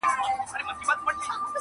که یاران وي که شراب بس چي زاړه وي,